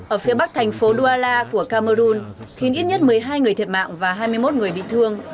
ở phía bắc thành phố dowala của camerun khiến ít nhất một mươi hai người thiệt mạng và hai mươi một người bị thương